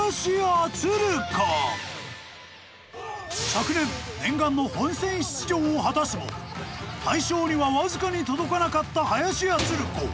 昨年念願の本選出場を果たすも大賞には僅かに届かなかった林家つる子。